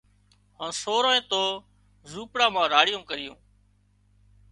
هانَ سورانئين تو زوپڙا مان راڙيون ڪريون